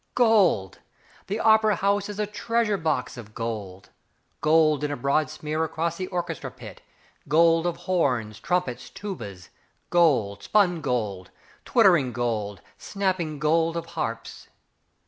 Gold! The opera house is a treasure box of gold. Gold in a broad smear across the orchestra pit: Gold of horns, trumpets, tubas; Gold spun gold, twittering gold, snapping gold Of harps.